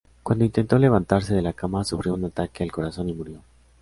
Cuando intentó levantarse de la cama, sufrió un ataque al corazón y murió.